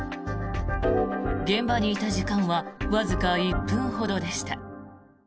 現場にいた時間はわずか１分ほどでした。